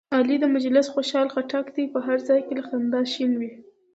علي د مجلس خوشحال خټک دی، په هر ځای کې له خندا شین وي.